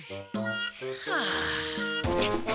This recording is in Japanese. はあ。